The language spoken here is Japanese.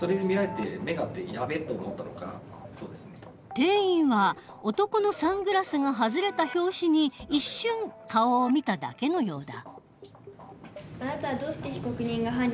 店員は男のサングラスが外れた拍子に一瞬顔を見ただけのようだ。